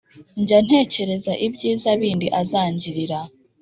Njya ntekereza ibyiza bindi azangirira